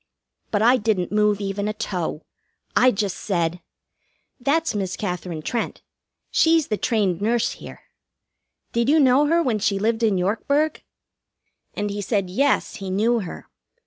But I didn't move even a toe. I just said: "That's Miss Katherine Trent. She's the trained nurse here. Did you know her when she lived in Yorkburg?" And he said yes, he knew her.